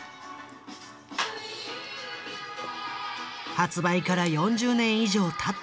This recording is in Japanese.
発売から４０年以上たった